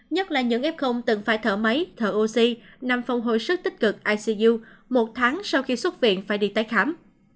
nhất là những f từng phải thở máy thở oxy nằm phòng hồi sức tích cực icu một tháng sau khi xuất viện phải đi tái khám